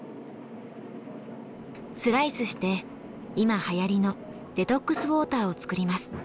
スライスして今はやりのデトックスウォーターをつくります。